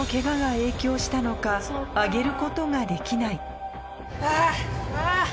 が影響したのか上げることができないあ！